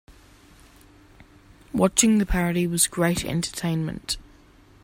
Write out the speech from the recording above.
Watching the parody was great entertainment.